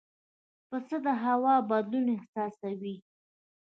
پسه د هوا بدلون احساسوي.